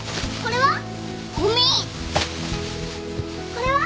これは？